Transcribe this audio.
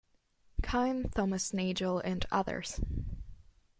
Cohen, Thomas Nagel and others.